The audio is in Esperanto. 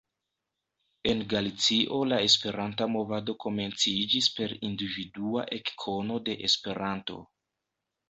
En Galicio la Esperanta movado komenciĝis per individua ekkono de Esperanto.